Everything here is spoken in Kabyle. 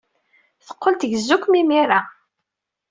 Teqqel tgezzu-kem imir-a.